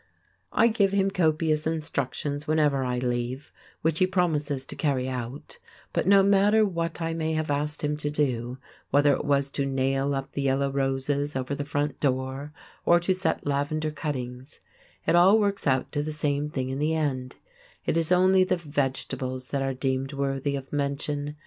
I give him copious instructions whenever I leave, which he promises to carry out; but no matter what I may have asked him to do—whether it was to nail up the yellow roses over the front door, or to set lavender cuttings—it all works out to the same thing in the end: it is only the vegetables that are deemed worthy of mention.